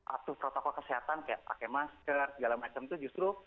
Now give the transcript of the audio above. atuh protokol kesehatan kayak pakai masker segala macam itu justru